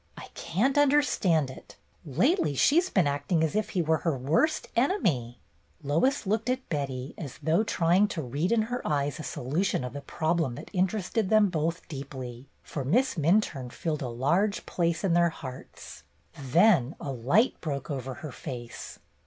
"I can't understand it. Lately she 's been acting as if he were her worst enemy." 30 BETTY BAIRD'S GOLDEN YEAR Lois looked at Betty as though trying to read in her eyes a solution of the problem that interested them both deeply, for Miss Minturne filled a large place in their hearts. Then a light broke over her face.